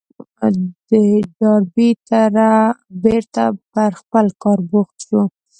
د ډاربي تره بېرته پر خپل کار بوخت شو.